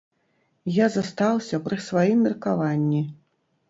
Я застаўся пры сваім меркаванні.